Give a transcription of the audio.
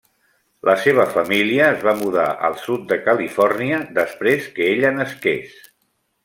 La seva família es va mudar al sud de Califòrnia després que ella nasqués.